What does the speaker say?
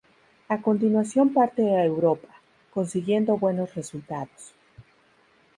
A continuación parte a Europa, consiguiendo buenos resultados.